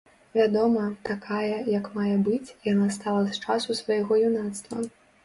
Вядома, такая, як мае быць, яна стала з часу свайго юнацтва.